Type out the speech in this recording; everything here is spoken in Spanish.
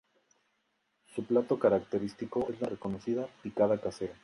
Su plato característico es la reconocida picada casera.